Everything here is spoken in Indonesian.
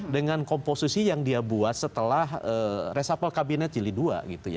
dengan komposisi yang dia buat setelah resapel kabinet jili dua